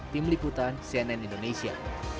tim liputan cnn indonesia